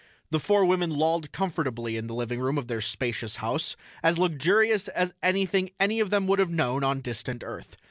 The four women lolled comfortably in the living room of their spacious house, as luxurious as anything any of them would have known on distant Earth.